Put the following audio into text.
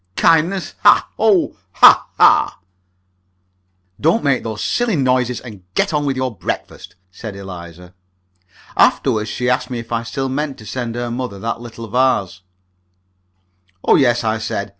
Kindness! Hah! Oh, hah, hah!" "Don't make those silly noises, and get on with your breakfast!" said Eliza. Afterward she asked me if I still meant to send her mother that little vase. "Oh, yes!" I said.